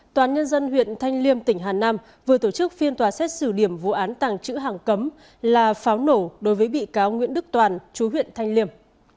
toàn nhân dân huyện thanh liêm tỉnh hà nam vừa tổ chức phiên tòa xét xử điểm vụ án tàng trữ hàng cấm là pháo nổ đối với bị cáo nguyễn đức toàn chú huyện thanh liêm